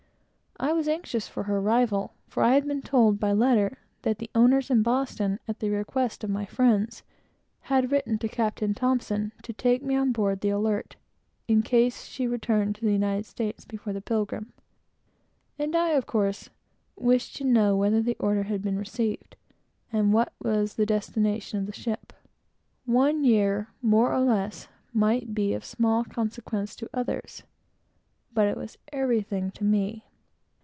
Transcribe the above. I was anxious for her arrival, for I had been told by letter that the owners in Boston, at the request of my friends, had written to Captain T to take me on board the Alert, in case she returned to the United States before the Pilgrim; and I, of course, wished to know whether the order had been received, and what was the destination of the ship. One year more or less might be of small consequence to others, but it was everything to me.